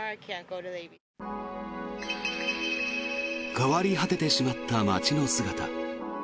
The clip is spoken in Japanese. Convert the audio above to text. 変わり果ててしまった街の姿。